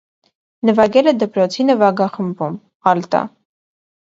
Նվագել է դպրոցի նվագախմբում ալտա։